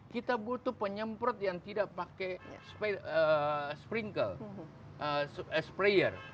kita butuh penyemprot yang tidak pakai sprinkle explayer